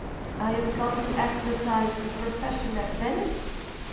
I have come to exercise the profession at Venice.